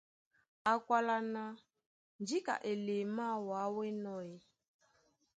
Á kwálá ná :Njíka elemáā wǎ ó enɔ́ ē?